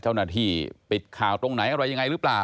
เจ้าหน้าที่ปิดข่าวตรงไหนอะไรยังไงหรือเปล่า